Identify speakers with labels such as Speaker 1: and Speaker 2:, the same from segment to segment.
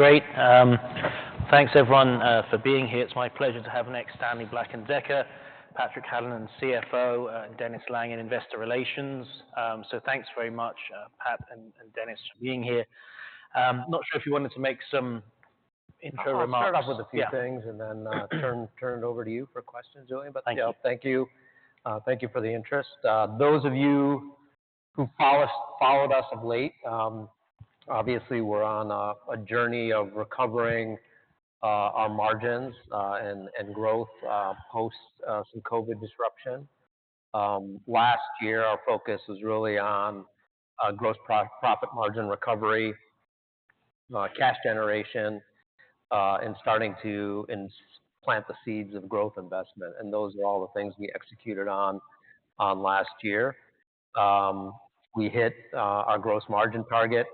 Speaker 1: Great. Thanks, everyone, for being here. It's my pleasure to have next Stanley Black & Decker, Patrick Hallinan, CFO, and Dennis Lange in Investor Relations. So thanks very much, Pat and Dennis for being here. Not sure if you wanted to make some intro remarks.
Speaker 2: I'll start off with a few things and then turn it over to you for questions, Julian. But yeah, thank you. Thank you for the interest. Those of you who followed us of late, obviously we're on a journey of recovering our margins and growth post some COVID disruption. Last year our focus was really on gross profit margin recovery, cash generation, and starting to implant the seeds of growth investment. And those are all the things we executed on last year. We hit our gross margin target,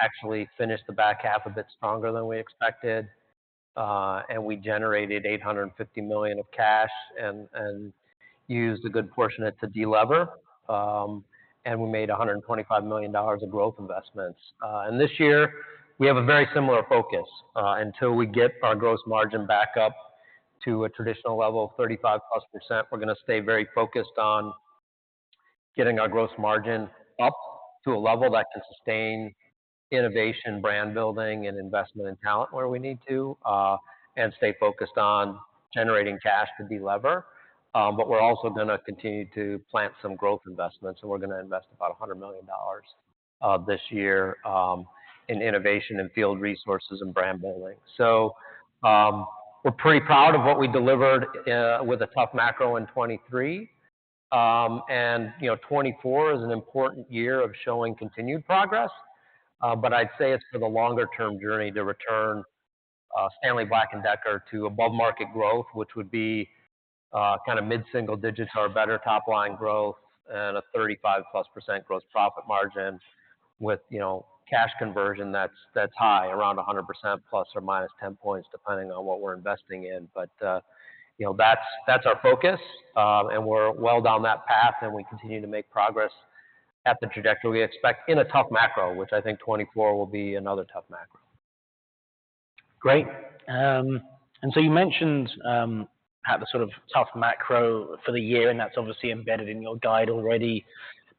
Speaker 2: actually finished the back half a bit stronger than we expected, and we generated $850 million of cash and used a good portion of it to de-lever, and we made $125 million of growth investments. And this year we have a very similar focus. Until we get our gross margin back up to a traditional level of 35%+, we're gonna stay very focused on getting our gross margin up to a level that can sustain innovation, brand building, and investment in talent where we need to, and stay focused on generating cash to de-lever. But we're also gonna continue to plant some growth investments, and we're gonna invest about $100 million this year in innovation and field resources and brand building. So, we're pretty proud of what we delivered, with a tough macro in 2023. You know, 2024 is an important year of showing continued progress, but I'd say it's for the longer-term journey to return Stanley Black & Decker to above-market growth, which would be kinda mid-single digits or better top-line growth and a 35%+ gross profit margin with, you know, cash conversion that's high, around 100% ±10 points depending on what we're investing in. But, you know, that's our focus, and we're well down that path, and we continue to make progress at the trajectory we expect in a tough macro, which I think 2024 will be another tough macro.
Speaker 1: Great. And so you mentioned, Pat, the sort of tough macro for the year, and that's obviously embedded in your guide already.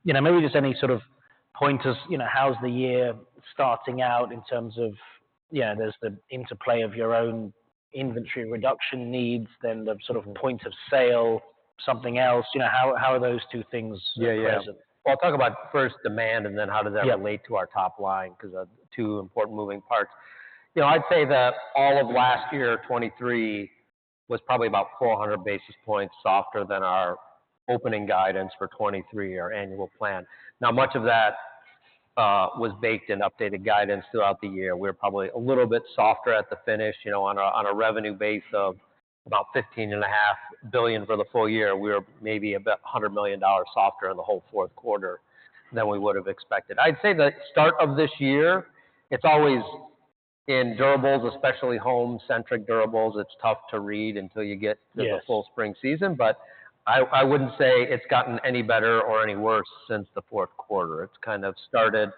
Speaker 1: You know, maybe just any sort of pointers, you know, how's the year starting out in terms of, you know, there's the interplay of your own inventory reduction needs, then the sort of point of sale, something else. You know, how, how are those two things present?
Speaker 2: Yeah, yeah. Well, I'll talk about first demand and then how does that relate to our top line 'cause two important moving parts. You know, I'd say all of last year, 2023, was probably about 400 basis points softer than our opening guidance for 2023, our annual plan. Now, much of that was baked in updated guidance throughout the year. We were probably a little bit softer at the finish, you know, on a revenue base of about $15.5 billion for the full year. We were maybe about $100 million softer in the whole fourth quarter than we would have expected. I'd say the start of this year, it's always in durables, especially home-centric durables. It's tough to read until you get to the full spring season, but I wouldn't say it's gotten any better or any worse since the fourth quarter. It's kind of started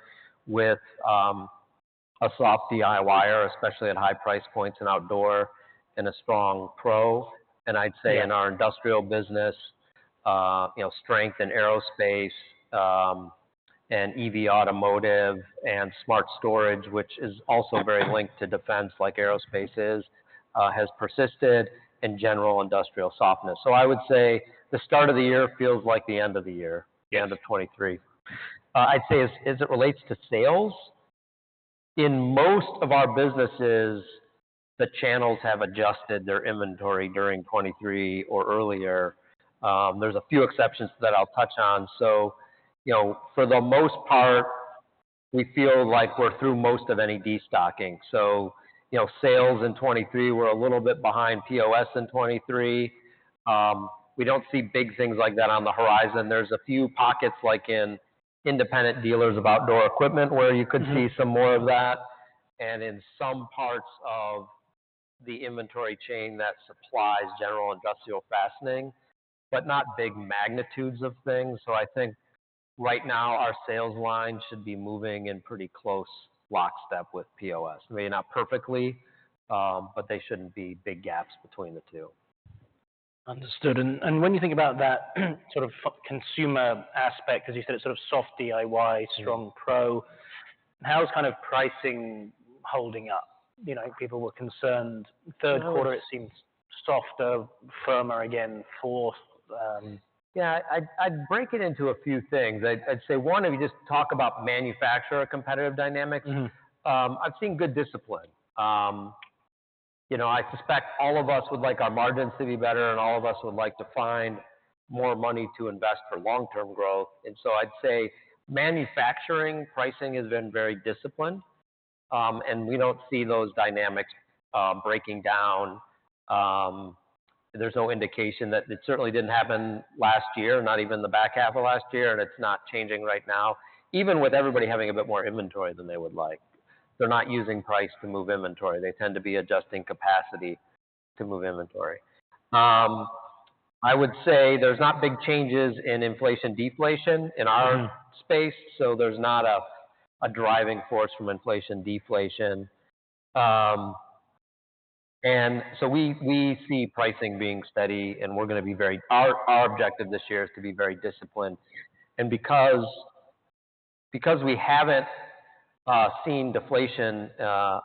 Speaker 2: with a soft DIYer, especially at high price points and outdoor, and a strong pro. And I'd say in our industrial business, you know, strength in aerospace, and EV automotive and smart storage, which is also very linked to defense like aerospace is, has persisted in general industrial softness. So I would say the start of the year feels like the end of the year, the end of 2023. I'd say as it relates to sales, in most of our businesses, the channels have adjusted their inventory during 2023 or earlier. There's a few exceptions that I'll touch on. So, you know, for the most part, we feel like we're through most of any destocking. So, you know, sales in 2023 were a little bit behind POS in 2023. We don't see big things like that on the horizon. There's a few pockets, like in independent dealers of outdoor equipment, where you could see some more of that, and in some parts of the inventory chain that supplies general industrial fastening, but not big magnitudes of things. So I think right now our sales line should be moving in pretty close lockstep with POS. Maybe not perfectly, but they shouldn't be big gaps between the two.
Speaker 1: Understood. When you think about that sort of consumer aspect, 'cause you said it's sort of soft DIY, strong pro, how's kind of pricing holding up? You know, people were concerned.
Speaker 2: Third quarter, it seems softer, firmer again. Fourth, Yeah, I'd break it into a few things. I'd say one, if you just talk about manufacturer competitive dynamics.
Speaker 1: Mm-hmm.
Speaker 2: I've seen good discipline. You know, I suspect all of us would like our margins to be better, and all of us would like to find more money to invest for long-term growth. And so I'd say manufacturing pricing has been very disciplined, and we don't see those dynamics breaking down. There's no indication that it certainly didn't happen last year, not even the back half of last year, and it's not changing right now, even with everybody having a bit more inventory than they would like. They're not using price to move inventory. They tend to be adjusting capacity to move inventory. I would say there's not big changes in inflation-deflation in our space, so there's not a driving force from inflation-deflation. And so we see pricing being steady, and we're gonna be very—our objective this year is to be very disciplined. Because we haven't seen deflation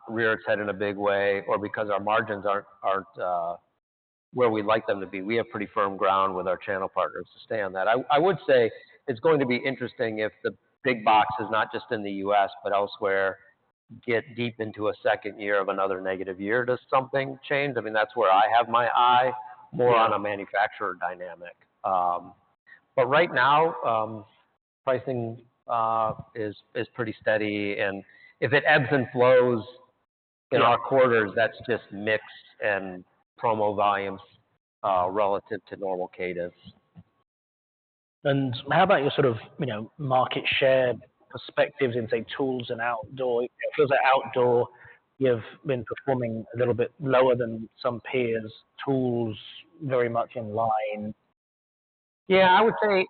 Speaker 2: rear its head in a big way, or because our margins aren't where we'd like them to be, we have pretty firm ground with our channel partners to stay on that. I would say it's going to be interesting if the big boxes, not just in the U.S. but elsewhere, get deep into a second year of another negative year. Does something change? I mean, that's where I have my eye, more on a manufacturer dynamic. But right now, pricing is pretty steady. And if it ebbs and flows in our quarters, that's just mix and promo volumes, relative to normal cadence.
Speaker 1: How about your sort of, you know, market share perspectives in, say, tools and outdoor? It feels like outdoor, you've been performing a little bit lower than some peers, tools very much in line.
Speaker 2: Yeah, I would say,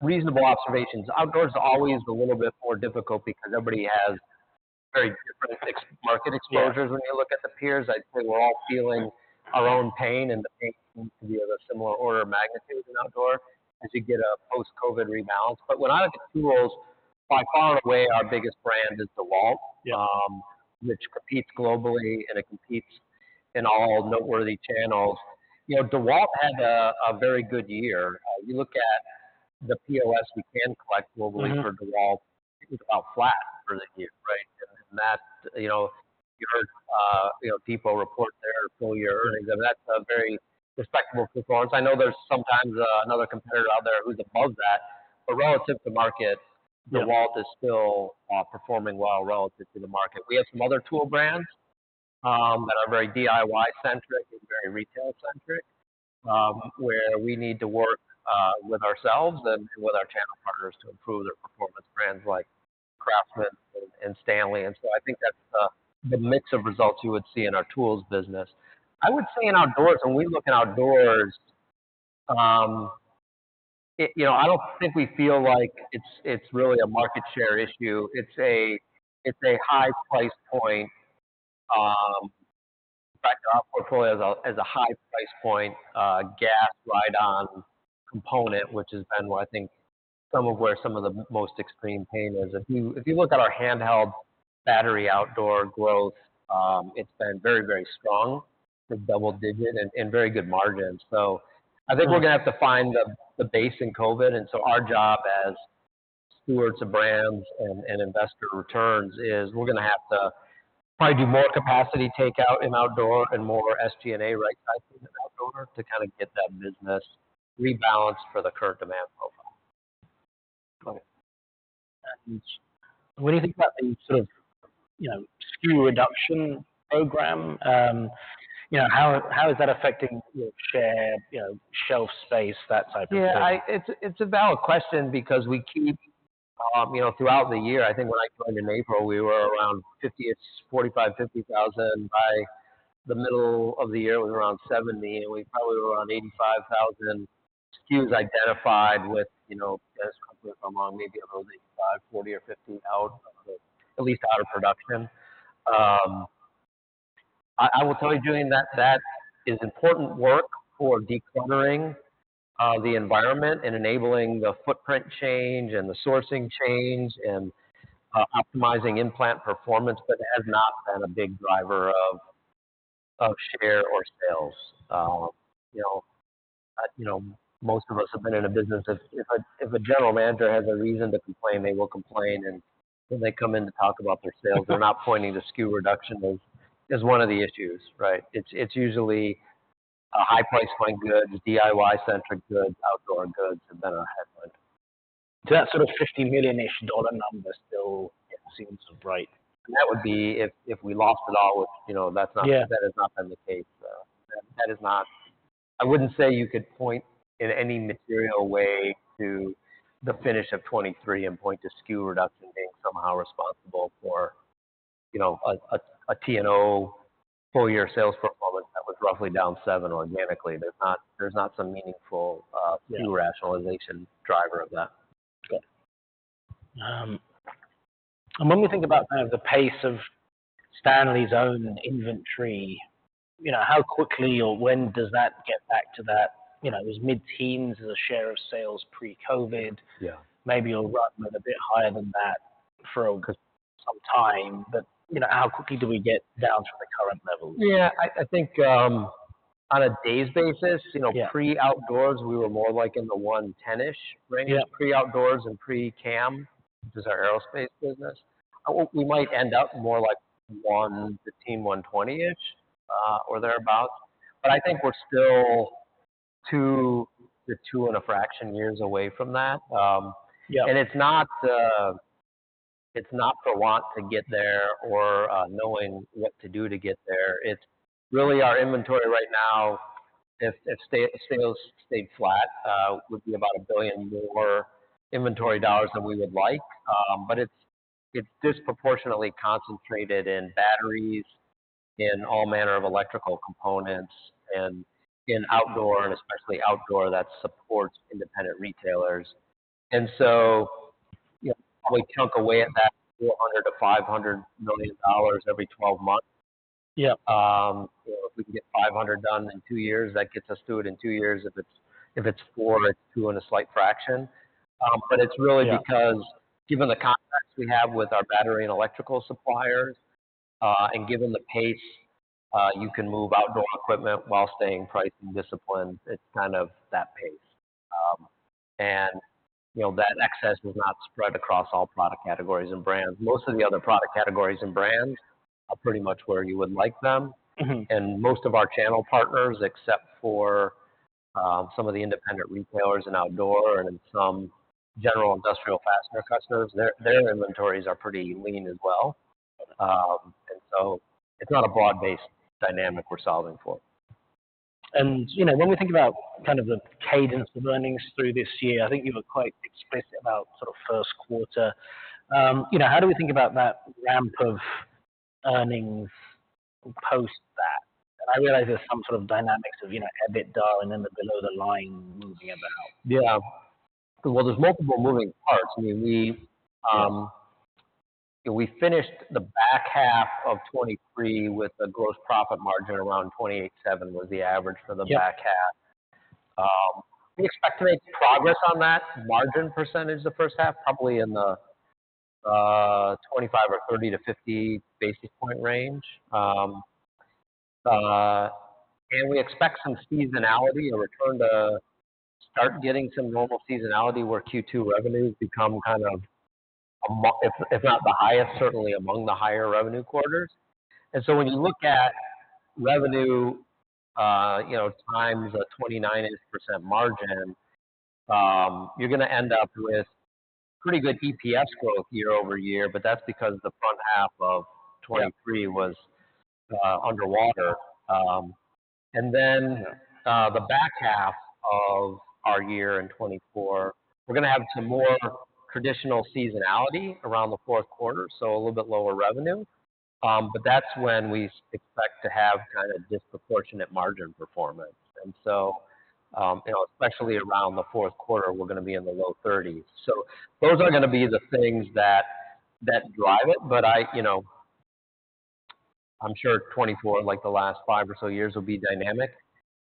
Speaker 2: reasonable observations. Outdoor's always a little bit more difficult because everybody has very different ex market exposures when you look at the peers. I'd say we're all feeling our own pain, and the pain seems to be of a similar order of magnitude in outdoor as you get a post-COVID rebalance. But when I look at tools, by far and away, our biggest brand is DEWALT.
Speaker 1: Yeah.
Speaker 2: which competes globally, and it competes in all noteworthy channels. You know, DEWALT had a very good year. You look at the POS we can collect globally for DEWALT, it was about flat for the year, right? And that, you know, you heard, you know, Depot report their full year earnings. I mean, that's a very respectable performance. I know there's sometimes another competitor out there who's above that, but relative to market, DEWALT is still performing well relative to the market. We have some other tool brands that are very DIY-centric and very retail-centric, where we need to work with ourselves and with our channel partners to improve their performance, brands like CRAFTSMAN and STANLEY. And so I think that's the mix of results you would see in our tools business. I would say in outdoors, when we look at outdoors, I, you know, I don't think we feel like it's really a market share issue. It's a high price point; in fact, our portfolio has a high price point, gas ride-on component, which has been what I think some of where some of the most extreme pain is. If you look at our handheld battery outdoor growth, it's been very, very strong, a double digit, and very good margins. So I think we're gonna have to find the base in COVID. And so our job as stewards of brands and investor returns is we're gonna have to probably do more capacity takeout in outdoor and more SG&A right-sizing in outdoor to kinda get that business rebalanced for the current demand profile.
Speaker 1: Got it. And when you think about the sort of, you know, SKU reduction program, you know, how, how is that affecting, you know, share, you know, shelf space, that type of thing?
Speaker 2: Yeah, it's a valid question because we keep, you know, throughout the year, I think when I joined in April, we were around 50, 45, 50 thousand. By the middle of the year, it was around 70, and we probably were around 85,000 SKUs identified with, you know, Dennis Lange, if I'm wrong, maybe of those 85,000, 40 or 50 out of the at least out of production. I will tell you, Julian, that that is important work for decluttering the environment and enabling the footprint change and the sourcing change and optimizing in-plant performance, but it has not been a big driver of share or sales. You know, most of us have been in a business if a general manager has a reason to complain, they will complain. When they come in to talk about their sales, they're not pointing to SKU reduction as, as one of the issues, right? It's, it's usually a high price point goods, DIY-centric goods, outdoor goods have been our headline.
Speaker 1: Does that sort of $50 million-ish number still, yeah, seem sort of bright?
Speaker 2: That would be if we lost it all, which, you know, that's not. That has not been the case. That is not. I wouldn't say you could point in any material way to the finish of 2023 and point to SKU reduction being somehow responsible for, you know, a T&O full year sales performance that was roughly down 7% organically. There's not some meaningful SKU rationalization driver of that.
Speaker 1: Got it. When we think about kind of the pace of Stanley's own inventory, you know, how quickly or when does that get back to that? You know, it was mid-teens as a share of sales pre-COVID.
Speaker 2: Yeah.
Speaker 1: Maybe you'll run with a bit higher than that for some time, but, you know, how quickly do we get down from the current levels?
Speaker 2: Yeah, I think, on a day's basis, you know, pre-Outdoors, we were more like in the 110-ish range.
Speaker 1: Yeah.
Speaker 2: Pre-Outdoors and pre-CAM, which is our aerospace business. We might end up more like 115, 120-ish, or thereabouts. But I think we're still two to two and a fraction years away from that.
Speaker 1: Yeah.
Speaker 2: It's not, it's not for want of getting there or knowing what to do to get there. It's really our inventory right now. If sales stayed flat, it would be about $1 billion more inventory dollars than we would like. But it's disproportionately concentrated in batteries, in all manner of electrical components, and in outdoor, and especially outdoor that supports independent retailers. And so, you know, probably chip away at that $400 million-$500 million every 12 months.
Speaker 1: Yeah.
Speaker 2: You know, if we can get 500 done in two years, that gets us to it in two years. If it's four, it's two and a slight fraction. But it's really because given the contacts we have with our battery and electrical suppliers, and given the pace, you can move outdoor equipment while staying price and disciplined, it's kind of that pace. And, you know, that excess is not spread across all product categories and brands. Most of the other product categories and brands are pretty much where you would like them.
Speaker 1: Mm-hmm.
Speaker 2: Most of our channel partners, except for some of the independent retailers in outdoor and in some general industrial fastener customers, their, their inventories are pretty lean as well. And so it's not a broad-based dynamic we're solving for.
Speaker 1: You know, when we think about kind of the cadence of earnings through this year, I think you were quite explicit about sort of first quarter. You know, how do we think about that ramp of earnings post that? I realize there's some sort of dynamics of, you know, EBITDA and then the below-the-line moving as a whole.
Speaker 2: Yeah. Well, there's multiple moving parts. I mean, we, you know, we finished the back half of 2023 with a gross profit margin around 28.7%, which was the average for the back half. We expect to make progress on that margin percentage in the first half, probably in the 25 or 30-50 basis point range. And we expect some seasonality, a return to start getting some normal seasonality where Q2 revenues become kind of more if, if not the highest, certainly among the higher revenue quarters. And so when you look at revenue, you know, times a 29-ish% margin, you're gonna end up with pretty good EPS growth year-over-year, but that's because the front half of 2023 was underwater. And then, the back half of our year in 2024, we're gonna have some more traditional seasonality around the fourth quarter, so a little bit lower revenue. but that's when we expect to have kind of disproportionate margin performance. And so, you know, especially around the fourth quarter, we're gonna be in the low 30s. So those are gonna be the things that, that drive it. But I, you know, I'm sure 2024, like the last five or so years, will be dynamic.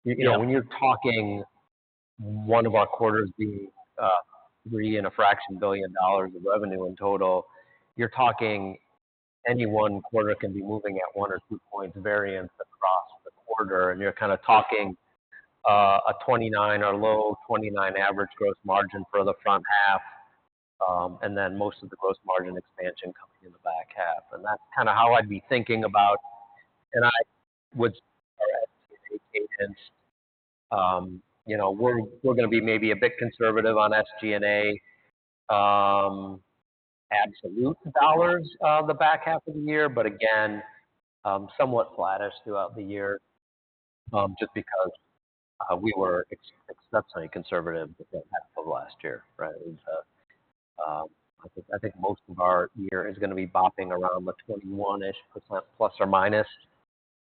Speaker 2: You, you know, when you're talking one of our quarters being, $3 and a fraction billion of revenue in total, you're talking any one quarter can be moving at one or two points variance across the quarter. And you're kinda talking, a 29 or low 29 average gross margin for the front half, and then most of the gross margin expansion coming in the back half. And that's kinda how I'd be thinking about and I would. Or SG&A cadence. You know, we're gonna be maybe a bit conservative on SG&A absolute dollars of the back half of the year, but again, somewhat flattish throughout the year, just because we were exceptionally conservative the first half of last year, right? And so, I think most of our year is gonna be bopping around the 21%-ish plus or minus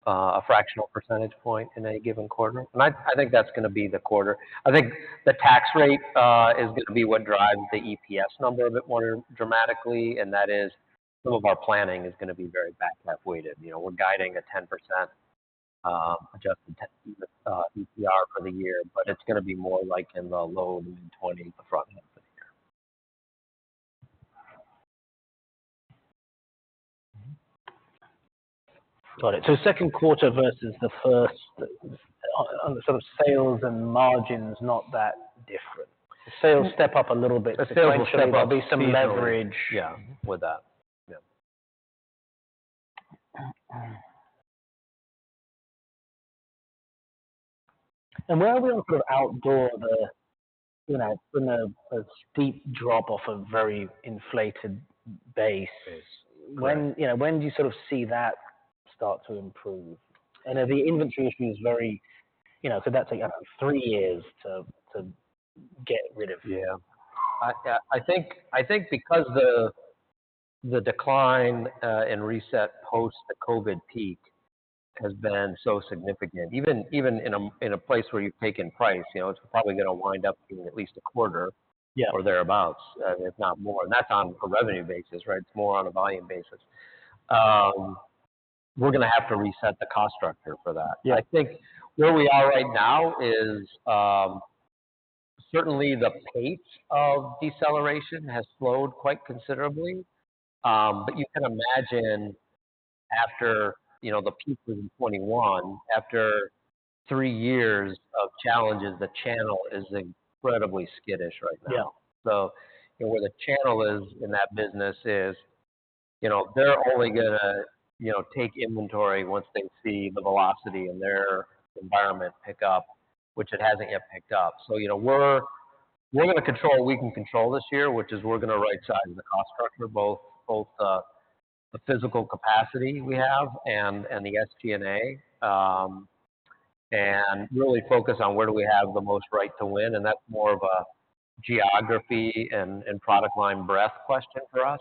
Speaker 2: a fractional percentage point in any given quarter. And I think that's gonna be the quarter. I think the tax rate is gonna be what drives the EPS number a bit more dramatically, and that is some of our planning is gonna be very back-half weighted. You know, we're guiding a 10% adjusted ETR for the year, but it's gonna be more like in the low to mid-20s the front half of the year.
Speaker 1: Got it. So second quarter versus the first, on the sort of sales and margins, not that different. The sales step up a little bit.
Speaker 2: The sales step up.
Speaker 1: There'll be some leverage.
Speaker 2: Yeah, with that. Yeah.
Speaker 1: And where are we on sort of outdoor, you know, from a steep drop off a very inflated base.
Speaker 2: Base.
Speaker 1: You know, when do you sort of see that start to improve? And are the inventory issues very, you know, could that take about three years to get rid of?
Speaker 2: Yeah. I think because the decline and reset post the COVID peak has been so significant, even in a place where you've taken price, you know, it's probably gonna wind up being at least a quarter.
Speaker 1: Yeah.
Speaker 2: Or thereabouts, if not more. And that's on a revenue basis, right? It's more on a volume basis. We're gonna have to reset the cost structure for that.
Speaker 1: Yeah.
Speaker 2: I think where we are right now is, certainly the pace of deceleration has slowed quite considerably. But you can imagine after, you know, the peak was in 2021, after three years of challenges, the channel is incredibly skittish right now.
Speaker 1: Yeah.
Speaker 2: So, you know, where the channel is in that business is, you know, they're only gonna, you know, take inventory once they see the velocity in their environment pick up, which it hasn't yet picked up. So, you know, we're, we're gonna control what we can control this year, which is we're gonna right-size the cost structure, both, both the, the physical capacity we have and, and the SG&A, and really focus on where do we have the most right to win. And that's more of a geography and, and product line breadth question for us.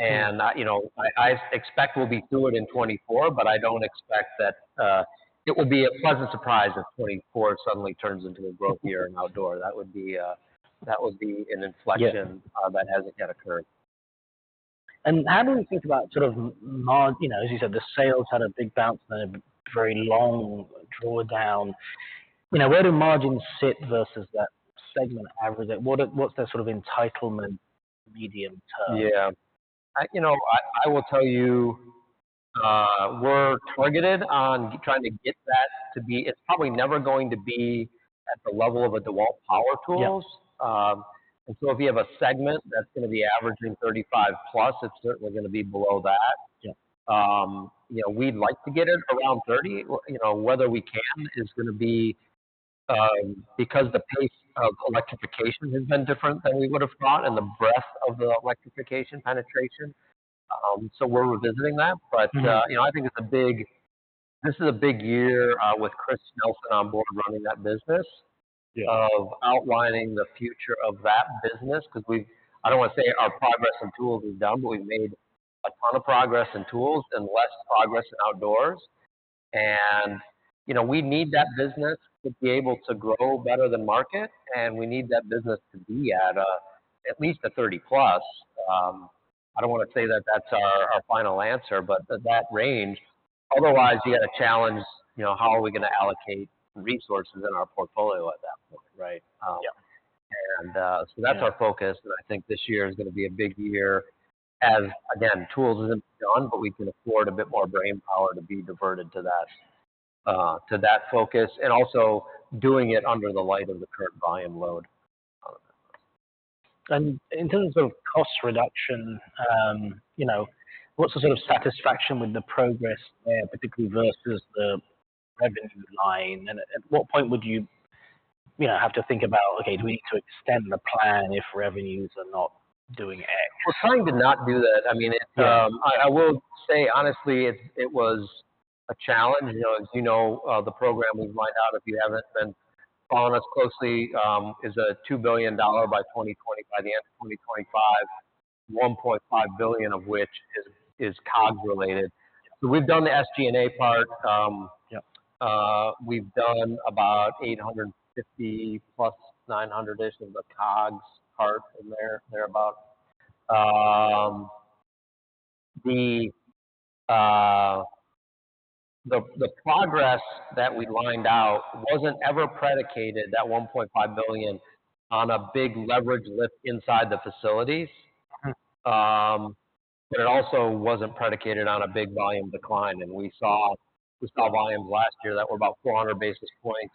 Speaker 2: And I, you know, I, I expect we'll be through it in 2024, but I don't expect that, it will be a pleasant surprise if 2024 suddenly turns into a growth year in outdoor. That would be a that would be an inflection, that hasn't yet occurred.
Speaker 1: How do we think about sort of margin, you know, as you said, the sales had a big bounce, then a very long drawdown. You know, where do margins sit versus that segment average? What’s their sort of entitlement medium term?
Speaker 2: Yeah. You know, I will tell you, we're targeted on trying to get that to be. It's probably never going to be at the level of a DEWALT power tools.
Speaker 1: Yep.
Speaker 2: If you have a segment that's gonna be averaging 35+, it's certainly gonna be below that.
Speaker 1: Yeah.
Speaker 2: You know, we'd like to get it around 30. Well, you know, whether we can is gonna be, because the pace of electrification has been different than we would have thought and the breadth of the electrification penetration. So we're revisiting that. But, you know, I think it's a big this is a big year, with Chris Nelson on board running that business.
Speaker 1: Yeah.
Speaker 2: Of outlining the future of that business 'cause we've, I don't wanna say our progress in tools is done, but we've made a ton of progress in tools and less progress in outdoors. And, you know, we need that business to be able to grow better than market, and we need that business to be at, at least a 30+. I don't wanna say that that's our, our final answer, but that range. Otherwise, you gotta challenge, you know, how are we gonna allocate resources in our portfolio at that point, right?
Speaker 1: Yeah.
Speaker 2: So that's our focus. I think this year is gonna be a big year as, again, tools isn't gone, but we can afford a bit more brainpower to be diverted to that, to that focus and also doing it under the light of the current buying load.
Speaker 1: And in terms of sort of cost reduction, you know, what's the sort of satisfaction with the progress there, particularly versus the revenue line? And at what point would you, you know, have to think about, "Okay, do we need to extend the plan if revenues are not doing X?
Speaker 2: We're trying to not do that. I mean, I will say honestly, it was a challenge. You know, as you know, the program we've lined out, if you haven't been following us closely, is a $2 billion by 2020, by the end of 2025, $1.5 billion of which is COGS-related. So we've done the SG&A part.
Speaker 1: Yeah.
Speaker 2: We've done about 850+, 900-ish of the COGS part in there. Thereabouts. The progress that we lined out wasn't ever predicated, that $1.5 billion, on a big leverage lift inside the facilities.
Speaker 1: Mm-hmm.
Speaker 2: but it also wasn't predicated on a big volume decline. And we saw volumes last year that were about 400 basis points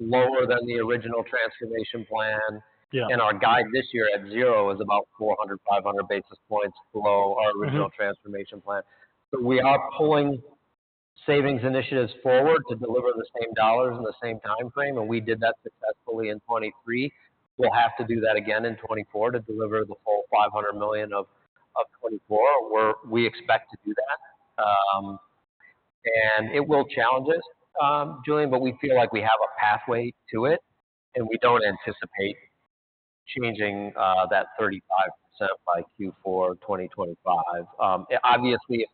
Speaker 2: lower than the original transformation plan.
Speaker 1: Yeah.
Speaker 2: Our guide this year at zero is about 400-500 basis points below our original transformation plan. So we are pulling savings initiatives forward to deliver the same dollars in the same timeframe, and we did that successfully in 2023. We'll have to do that again in 2024 to deliver the full $500 million of 2024. We expect to do that, and it will challenge us, Julian, but we feel like we have a pathway to it, and we don't anticipate changing that 35% by Q4 2025. Obviously,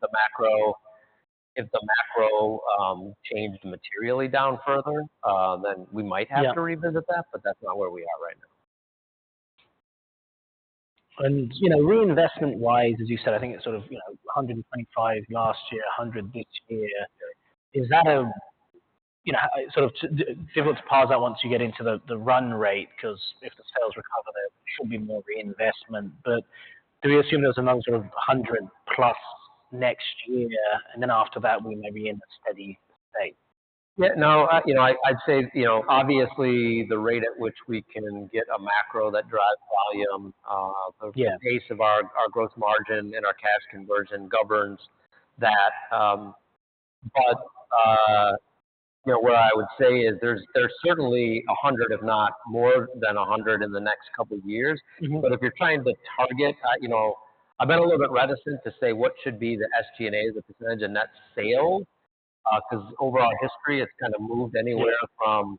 Speaker 2: if the macro changed materially down further, then we might have to revisit that, but that's not where we are right now.
Speaker 1: You know, reinvestment-wise, as you said, I think it's sort of, you know, 125 last year, 100 this year. Is that, you know, sort of difficult to pause that once you get into the run rate 'cause if the sales recover, there should be more reinvestment. But do we assume there's another sort of 100+ next year, and then after that, we may be in a steady state?
Speaker 2: Yeah. No, I, you know, I, I'd say, you know, obviously, the rate at which we can get a macro that drives volume, the pace of our, our growth margin and our cash conversion governs that. But, you know, where I would say is there's, there's certainly 100, if not more than 100 in the next couple of years.
Speaker 1: Mm-hmm.
Speaker 2: But if you're trying to target, you know, I've been a little bit reticent to say what should be the SG&A, the percentage of net sales, 'cause over our history, it's kinda moved anywhere from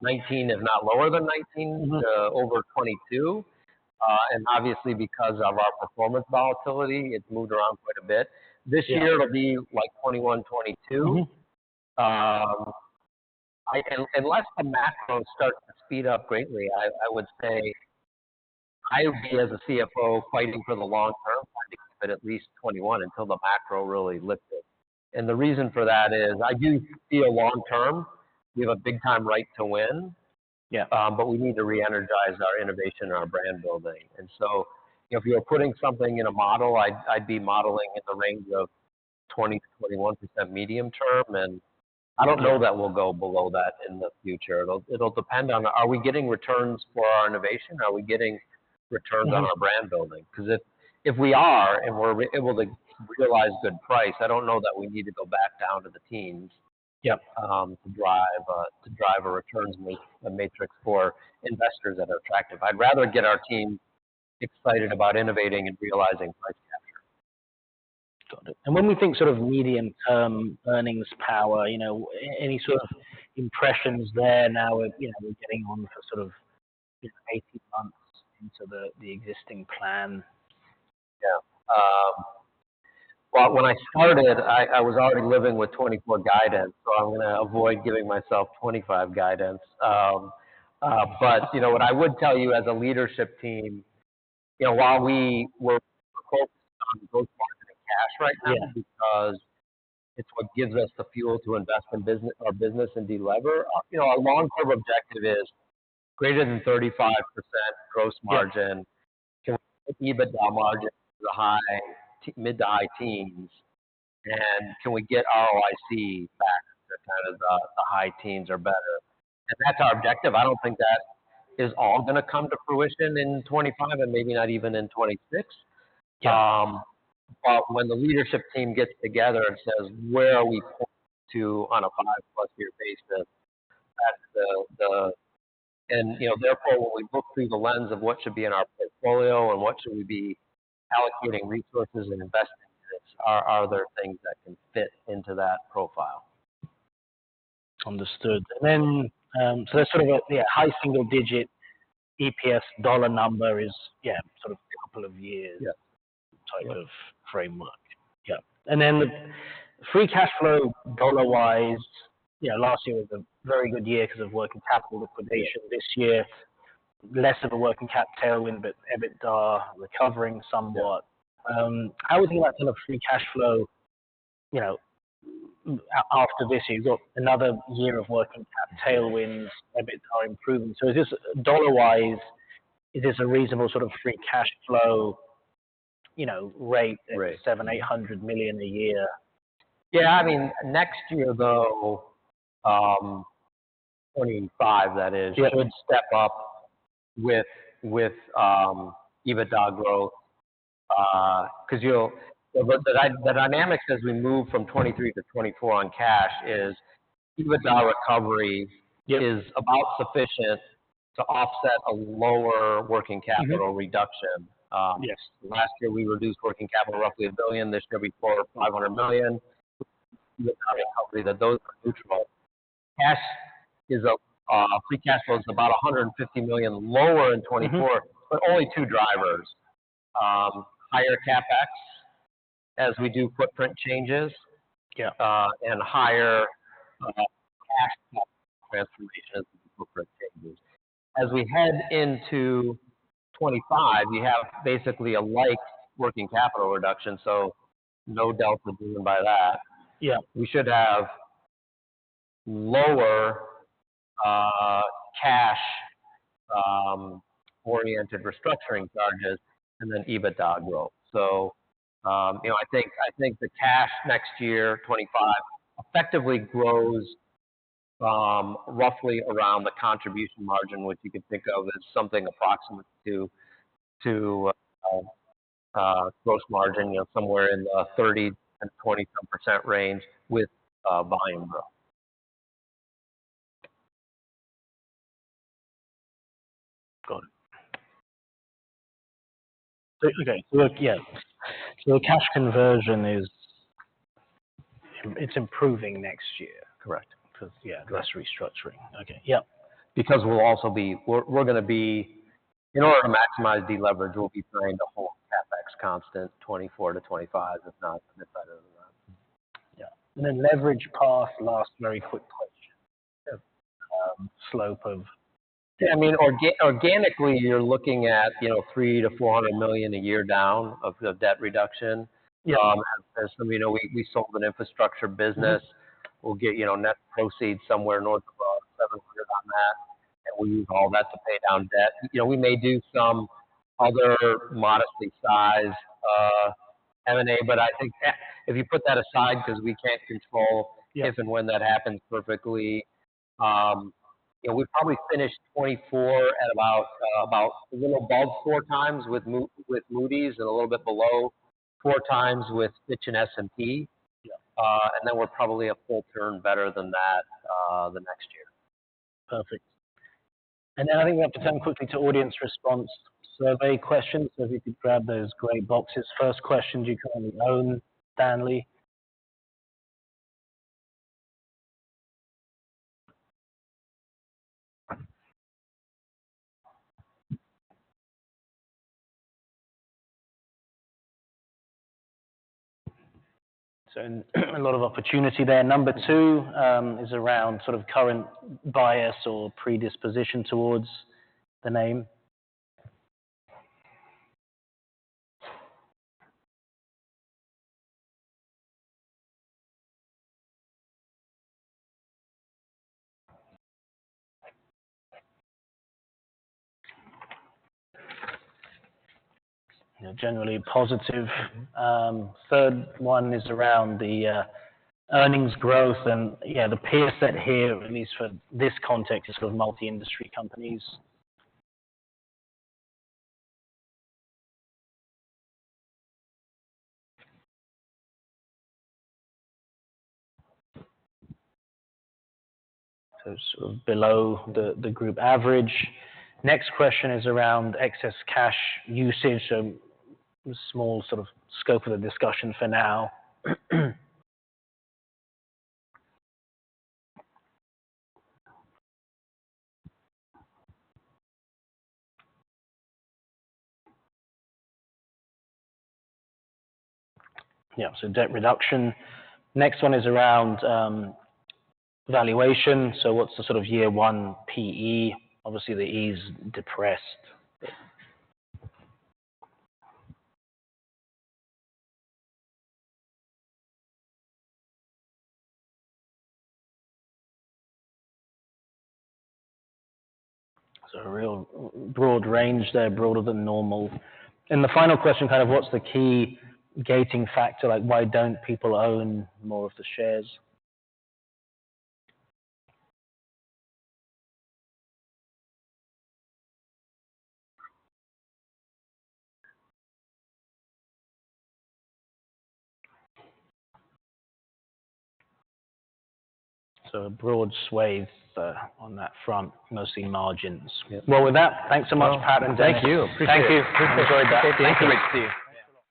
Speaker 2: 19, if not lower than 19.
Speaker 1: Mm-hmm.
Speaker 2: To over 22, and obviously, because of our performance volatility, it's moved around quite a bit. This year, it'll be like 21, 22.
Speaker 1: Mm-hmm.
Speaker 2: Unless the macro starts to speed up greatly, I would say I would be, as a CFO, fighting for the long term, fighting to keep it at least 21 until the macro really lifts it. And the reason for that is I do feel long-term, we have a big-time right to win.
Speaker 1: Yeah.
Speaker 2: but we need to reenergize our innovation and our brand building. And so, you know, if you were putting something in a model, I, I'd be modeling in the range of 20%-21% medium term, and I don't know that we'll go below that in the future. It'll depend on are we getting returns for our innovation? Are we getting returns on our brand building? 'Cause if we are and we're able to realize good price, I don't know that we need to go back down to the teens.
Speaker 1: Yeah.
Speaker 2: to drive a returns matrix for investors that are attractive. I'd rather get our team excited about innovating and realizing price capture.
Speaker 1: Got it. And when we think sort of medium-term earnings power, you know, any sort of impressions there now, you know, we're getting on for sort of, you know, 18 months into the existing plan?
Speaker 2: Yeah. Well, when I started, I was already living with 2024 guidance, so I'm gonna avoid giving myself 2025 guidance. But, you know, what I would tell you as a leadership team, you know, while we were focused on gross margin and cash right now.
Speaker 1: Yeah.
Speaker 2: Because it's what gives us the fuel to invest in business our business and deliver, you know, our long-term objective is greater than 35% gross margin.
Speaker 1: Yeah.
Speaker 2: Can we get EBITDA margin to the high-teens, mid- to high teens, and can we get ROIC back to kind of the, the high teens or better? That's our objective. I don't think that is all gonna come to fruition in 2025 and maybe not even in 2026.
Speaker 1: Yeah.
Speaker 2: When the leadership team gets together and says, "Where are we pointing to on a 5+ year basis?" That's, you know, therefore, when we look through the lens of what should be in our portfolio and what should we be allocating resources and investing in, are there things that can fit into that profile?
Speaker 1: Understood. And then, so there's sort of a, yeah, high single-digit EPS dollar number is, yeah, sort of a couple of years.
Speaker 2: Yeah. Type of framework. Yeah.
Speaker 1: And then the free cash flow dollar-wise, you know, last year was a very good year 'cause of working capital liquidation. This year, less of a working cap tailwind, but EBITDA recovering somewhat. How are we thinking about sort of free cash flow, you know, after this year? You've got another year of working cap tailwinds, EBITDA improving. So is this dollar-wise, is this a reasonable sort of free cash flow, you know, rate?
Speaker 2: Right.
Speaker 1: That's $7,800 million a year.
Speaker 2: Yeah. I mean, next year, though, 2025, that is.
Speaker 1: Yeah.
Speaker 2: Should step up with EBITDA growth, 'cause you'll see the dynamics as we move from 2023 to 2024 on cash is EBITDA recovery.
Speaker 1: Yeah.
Speaker 2: Is about sufficient to offset a lower working capital reduction.
Speaker 1: Yes.
Speaker 2: Last year, we reduced working capital roughly $1 billion. This year, we've scored $500 million. EBITDA recovery, that those are neutral. Cash, free cash flow is about $150 million lower in 2024, but only two drivers: higher CapEx as we do footprint changes.
Speaker 1: Yeah.
Speaker 2: and higher, cash cut transformation as we do footprint changes. As we head into 2025, you have basically a like working capital reduction, so no delta driven by that.
Speaker 1: Yeah.
Speaker 2: We should have lower, cash, oriented restructuring charges and then EBITDA growth. So, you know, I think I think the cash next year, 2025, effectively grows, roughly around the contribution margin, which you could think of as something approximate to, to, gross margin, you know, somewhere in the 30%-20-some% range with, volume growth.
Speaker 1: Got it. So, okay. So look, yeah. So the cash conversion is it's improving next year.
Speaker 2: Correct. 'Cause, yeah, less restructuring. Okay.
Speaker 1: Yep.
Speaker 2: Because we'll also be, we're gonna be in order to maximize deleverage, we'll be trying to hold CapEx constant 2024-2025, if not a bit better than that.
Speaker 1: Yeah. And then leverage path, last very quick question?
Speaker 2: Yeah.
Speaker 1: slope of.
Speaker 2: Yeah. I mean, organically, you're looking at, you know, $3 million to $400 million a year down of debt reduction.
Speaker 1: Yeah.
Speaker 2: As somebody knows, we sold an infrastructure business. We'll get, you know, net proceeds somewhere north of $700 million on that, and we'll use all that to pay down debt. You know, we may do some other modestly sized M&A, but I think if you put that aside 'cause we can't control.
Speaker 1: Yeah.
Speaker 2: If and when that happens perfectly, you know, we'd probably finish 2024 at about, about a little above four times with Moody's and a little bit below four times with Fitch and S&P.
Speaker 1: Yeah.
Speaker 2: And then we're probably a full turn better than that, the next year.
Speaker 1: Perfect. And then I think we have to turn quickly to audience response survey questions, so if you could grab those gray boxes. First question, do you currently own Stanley? So a lot of opportunity there. Number two is around sort of current bias or predisposition towards the name. You know, generally positive. Third one is around the earnings growth and, yeah, the peer set here, at least for this context, is sort of multi-industry companies. So it's sort of below the group average. Next question is around excess cash usage, so small sort of scope of the discussion for now. Yeah. So debt reduction. Next one is around valuation. So what's the sort of year one PE? Obviously, the E's depressed. So a real broad range there, broader than normal. And the final question, kind of what's the key gating factor, like why don't people own more of the shares? So a broad sway, on that front, mostly margins. Well, with that, thanks so much, Pat and Dennis.
Speaker 2: Thank you. Appreciate it.
Speaker 1: Thank you. Enjoyed that.
Speaker 2: Appreciate the invitation.
Speaker 1: Thanks, Mitch, to you.
Speaker 2: Yeah.